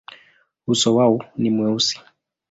Uso wao ni mweusi.